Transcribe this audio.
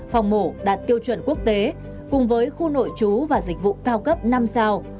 phòng mổ đạt tiêu chuẩn quốc tế cùng với khu nội trú và dịch vụ cao cấp năm sao